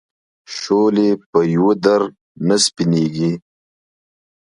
شولې په یوه در نه سپینېږي.